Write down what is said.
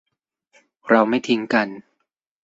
เราไม่ทิ้งกัน